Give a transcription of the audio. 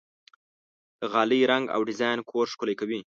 د غالۍ رنګ او ډیزاین کور ښکلی کوي.